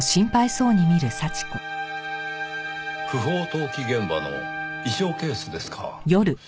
不法投棄現場の衣装ケースですか。